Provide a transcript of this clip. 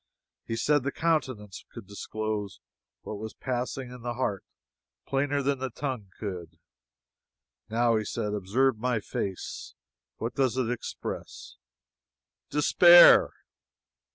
He said the countenance could disclose what was passing in the heart plainer than the tongue could. "Now," he said, "observe my face what does it express?" "Despair!"